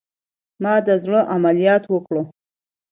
ما د زړه عملیات وکړه